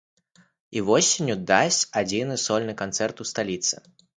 І восенню дасць адзіны сольны канцэрт у сталіцы.